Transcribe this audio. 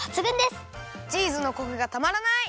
チーズのコクがたまらない！